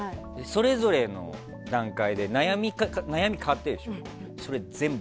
それぞれの段階で悩み変わってるでしょ。